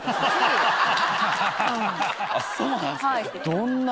そうなんすか。